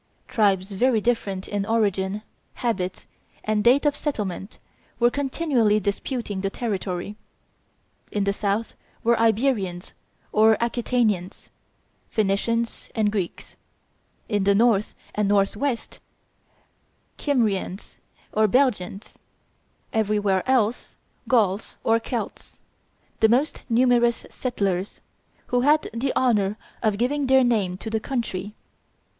Tribes very different in origin, habits, and date of settlement, were continually disputing the territory. In the south were Iberians or Aquitanians, Phoenicians and Greeks; in the north and north west, Kymrians or Belgians; everywhere else, Gauls or Celts, the most numerous settlers, who had the honor of giving their name to the country.